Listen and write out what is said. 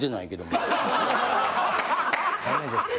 ダメですよ。